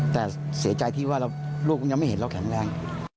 แต่เสียใจที่ว่าลูกยังไม่เห็นเราแข็งแรง